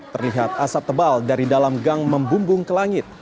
terlihat asap tebal dari dalam gang membumbung ke langit